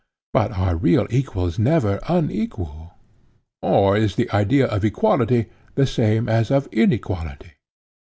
But are real equals ever unequal? or is the idea of equality the same as of inequality?